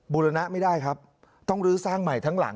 บูรณะไม่ได้ครับต้องลื้อสร้างใหม่ทั้งหลัง